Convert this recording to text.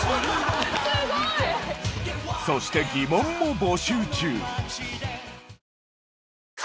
すごい！そして疑問も募集中。